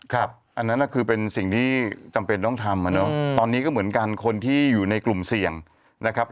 อันนั้นคือเป็นสิ่งที่จำเป็นต้องทำตอนนี้ก็เหมือนกันคนที่อยู่ในกลุ่มเสี่ยงนะครับ